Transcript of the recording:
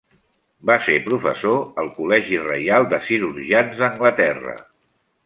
Va ser professor al Col·legi Reial de Cirurgians d'Anglaterra.